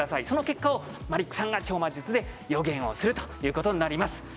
その結果をマリックさんが超魔術で予言をするということになります。